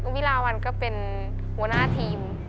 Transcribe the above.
วิลาวันก็เป็นหัวหน้าทีม